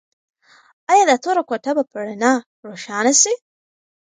ایا دا توره کوټه به په رڼا روښانه شي؟